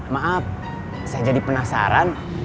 maaf saya jadi penasaran